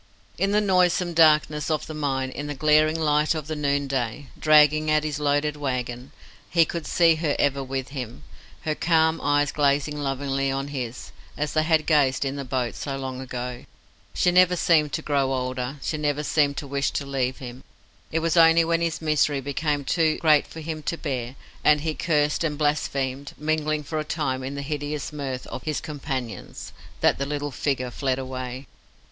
In the noisome darkness of the mine, in the glaring light of the noonday dragging at his loaded wagon, he could see her ever with him, her calm eyes gazing lovingly on his, as they had gazed in the boat so long ago. She never seemed to grow older, she never seemed to wish to leave him. It was only when his misery became too great for him to bear, and he cursed and blasphemed, mingling for a time in the hideous mirth of his companions, that the little figure fled away.